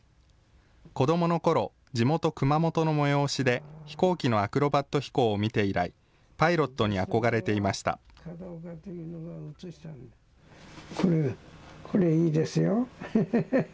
子どものころ、地元、熊本の催しで飛行機のアクロバット飛行を見て以来、パイロットにこれ、これいいですよ。